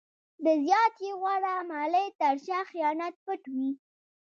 د زیاتې غوړه مالۍ تر شا خیانت پټ وي.